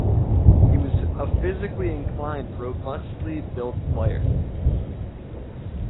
He was a physically inclined, robustly built player.